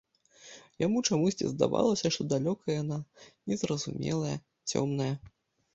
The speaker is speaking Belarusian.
Яму чамусьці здавалася, што далёка яна, незразумелая, цёмная.